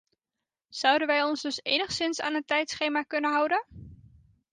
Zouden wij ons dus enigszins aan een tijdschema kunnen houden?